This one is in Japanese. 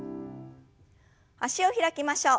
脚を開きましょう。